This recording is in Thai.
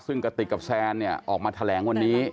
ซึ่งกระติกกับแซนเนี่ยออกมาแถลงวันนี้